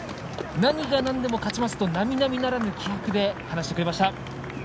何がなんでも勝ちますとなみなみならぬ気迫で話してくれました。